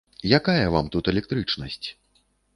Якая вам тут электрычнасць!